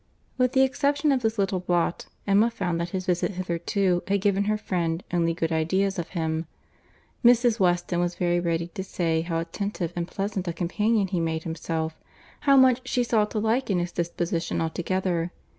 With the exception of this little blot, Emma found that his visit hitherto had given her friend only good ideas of him. Mrs. Weston was very ready to say how attentive and pleasant a companion he made himself—how much she saw to like in his disposition altogether.